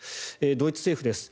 ドイツ政府です。